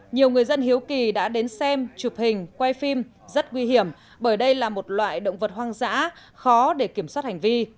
nhiều người dân hiếu kỳ đã đến xem chụp hình quay phim rất nguy hiểm bởi đây là một loại động vật hoang dã khó để kiểm soát hành vi